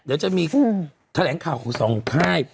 เดี๋ยวจะมีแถลงข่าวของสองค่าย